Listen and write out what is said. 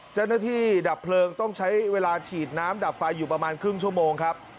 ดับเพลิงต้องใช้เวลาฉีดน้ำดับไฟอยู่ประมาณครึ่งชั่วโมงครับ